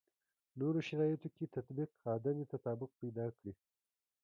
نورو شرایطو کې تطبیق عدم تطابق پیدا کړي.